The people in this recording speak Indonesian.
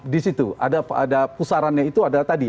di situ ada pusarannya itu adalah tadi